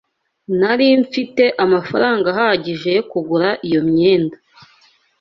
Nari mfite amafaranga ahagije yo kugura iyo myenda.